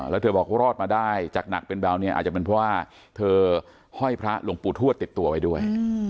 แล้วเธอบอกว่ารอดมาได้จากหนักเป็นเบาเนี่ยอาจจะเป็นเพราะว่าเธอห้อยพระหลวงปู่ทวดติดตัวไว้ด้วย